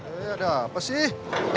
eh ada apa sih